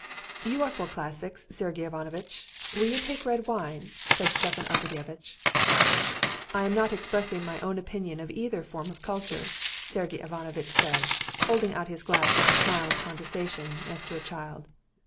"You are for classics, Sergey Ivanovitch. Will you take red wine?" said Stepan Arkadyevitch. "I am not expressing my own opinion of either form of culture," Sergey Ivanovitch said, holding out his glass with a smile of condescension, as to a child.